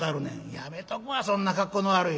「やめとくわそんな格好の悪い」。